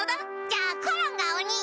じゃあコロンがおに！